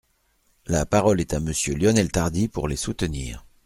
La parole est à Monsieur Lionel Tardy, pour les soutenir.